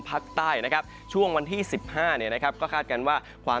ภาคใต้นะครับช่วงวันที่๑๕เนี่ยนะครับก็คาดการณ์ว่าความ